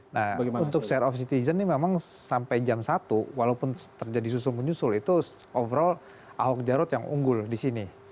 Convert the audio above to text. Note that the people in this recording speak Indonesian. nah untuk share of citizen ini memang sampai jam satu walaupun terjadi susul menyusul itu overall ahok jarot yang unggul di sini